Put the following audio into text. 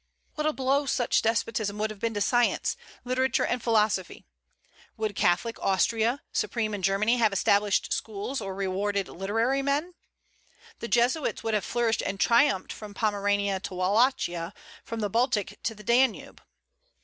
What a blow such a despotism would have been to science, literature, and philosophy! Would Catholic Austria, supreme in Germany, have established schools, or rewarded literary men? The Jesuits would have flourished and triumphed from Pomerania to Wallachia; from the Baltic to the Danube.